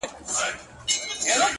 o شكر دى چي مينه يې په زړه كـي ده،